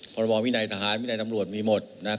พรบวินัยทหารวินัยตำรวจมีหมดนะครับ